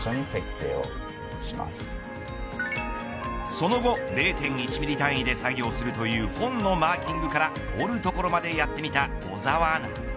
その後０．１ｍｍ単位で作業するという本のマーキングから折るところまでやってみた小澤アナ。